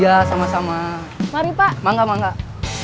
ya sama sama maaf pak enggak enggak